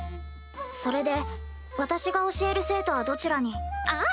それで私が教える生徒はどちらに？ああ！